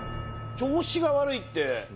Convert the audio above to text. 調子が悪いって。